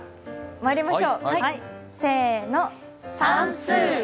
まいりましょう。